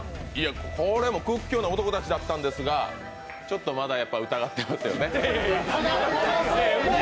これも屈強な男たちだったんですが、ちょっとまだ疑ってますよね。